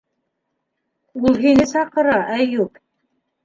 Ул һине саҡыра, Әйүп...